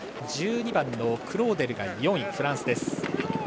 １２番のクローデルが４位フランスです。